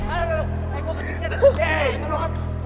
aduh eh gue ketiknya